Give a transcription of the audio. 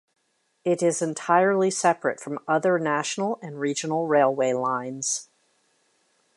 It is entirely separate from other national and regional railway lines.